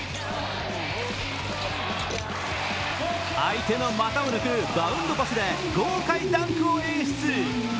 相手の股を抜くバウンドパスで豪快ダンクを演出。